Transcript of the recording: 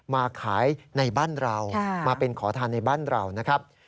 มาขายในบ้านเรามาเป็นขอทานในบ้านเรานะครับ